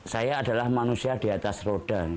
saya adalah manusia di atas roda